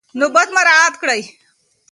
نوبت مراعات کړئ.